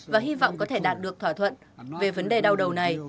và hy vọng có thể đạt được thỏa thuận về vấn đề đau đầu này